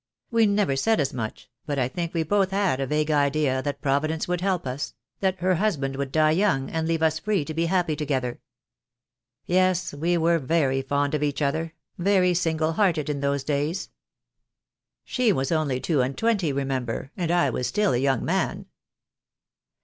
We never said as much, but I think we had both a vague idea that Providence would help us — that her husband would die young, and leave us free to be happy together. Yes, we were very fond of each other, very single hearted in those days. She was only two and twenty, remember, and I was still a young man."